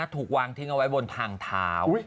ถูกวางทิ้งเอาไว้บนทางเท้า